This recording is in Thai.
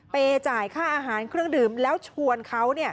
จ่ายค่าอาหารเครื่องดื่มแล้วชวนเขา